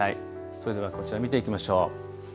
それではこちら見ていきましょう。